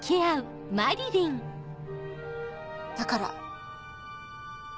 だから。